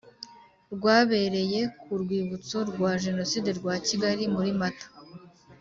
rwabereye ku rwibutso rwa jenoside rwa kigali muri mata.